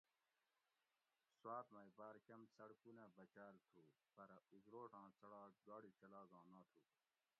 سوات مئ باۤر کم څڑکونہ بچال تھُو پرہ ازروٹاں څڑاک گاڑی چلاگاں ناتھُو